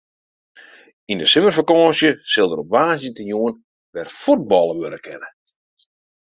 Yn de simmerfakânsje sil der op woansdeitejûn wer fuotballe wurde kinne.